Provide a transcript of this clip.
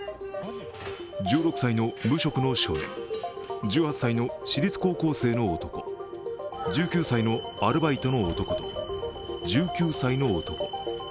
１６歳の無職の少年、１８歳の私立高校３年生の男、１９歳のアルバイトの男と１９歳の男。